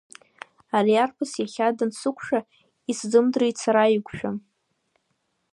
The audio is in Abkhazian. Ари арԥыс иахьа дансықәшәа, исзымдырит сара иқәшәа.